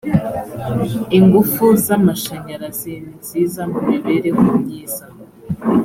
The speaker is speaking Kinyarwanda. ingufu z’ amashanyarazi ni nziza mu mibereho myiza